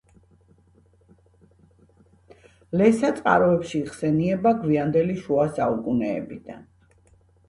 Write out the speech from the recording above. ლესა წყაროებში იხსენიება გვიანდელი შუა საუკუნეებიდან.